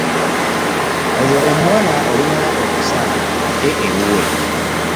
Oyo omuwala olumala okusaala adde ewuwe.